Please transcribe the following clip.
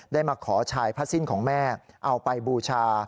ได้มาขอชายผ้าสิ้นของแม่เอาไปบูชา